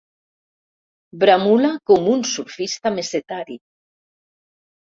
Bramula com un surfista mesetari.